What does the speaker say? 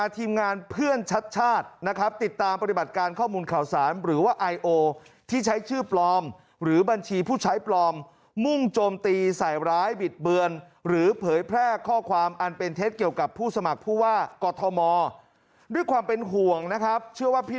คนอาจจะเข้าใจผิดว่าเป็นผมทำหรือเปล่าอย่างนี้